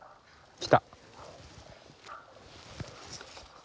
来た！